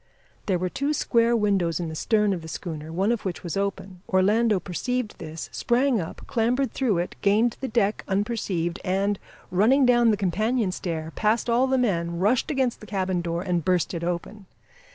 There were two square windows in the stern of the schooner, one of which was open. Orlando perceived this, sprang up, clambered through it, gained the deck unperceived, and, running down the companion stair, past all the men, rushed against the cabin door, and burst it open.